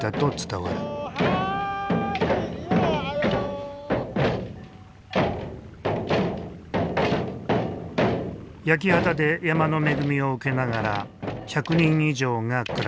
焼き畑で山の恵みを受けながら１００人以上が暮らしていた。